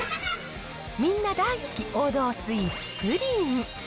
みんな大好き王道スイーツ、プリン。